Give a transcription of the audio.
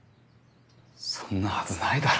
そんなはずないだろ。